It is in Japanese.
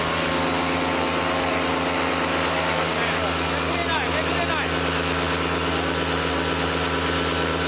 めくれないめくれない。